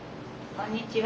こんにちは。